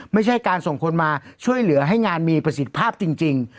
ไม่ใช่การส่งคนมาช่วยเหลือให้งานมีประสิทธิภาพจริง